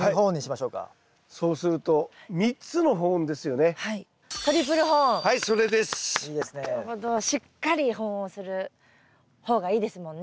しっかり保温する方がいいですもんね。